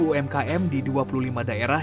ketua komunikasi publik kemenkominfo usman kansok